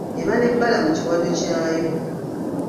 Eba n’ebbala mu kiwato kyayo.